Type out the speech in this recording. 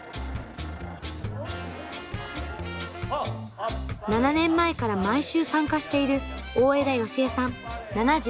７年前から毎週参加している大條愛枝さん７５歳。